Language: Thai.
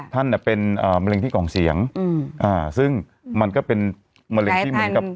ท่านเนี่ยเป็นมะเร็งที่กล่องเสียงอืมอ่าซึ่งมันก็เป็นมะเร็งที่เหมือนกับ